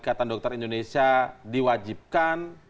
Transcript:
ikatan dokter indonesia diwajibkan